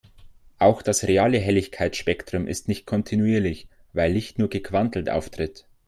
Auch das reale Helligkeitsspektrum ist nicht kontinuierlich, weil Licht nur gequantelt auftritt.